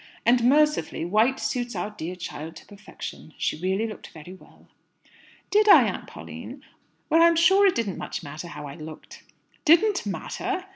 And, mercifully, white suits our dear child to perfection. She really looked very well." "Did I, Aunt Pauline? Well, I'm sure it didn't much matter how I looked." "Didn't matter!"